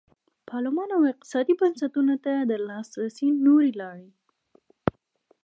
پارلمان او اقتصادي بنسټونو ته د لاسرسي نورې لارې.